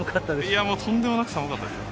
いや、もうとんでもなく寒かったですよ。